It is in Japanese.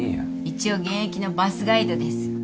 一応現役のバスガイドです。